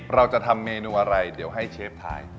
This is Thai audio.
เราจะทำเมนูอะไรเดี๋ยวให้เชฟทาย